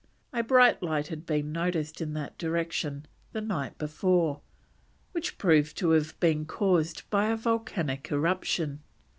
A bright light had been noticed in that direction the night before, which proved to have been caused by a volcanic eruption.